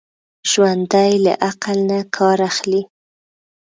ژوندي له عقل نه کار اخلي